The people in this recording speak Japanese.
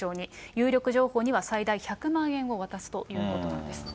有力情報には最大１００万円を渡すということなんです。